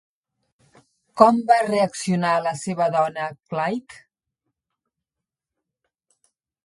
Com va reaccionar la seva dona Clite?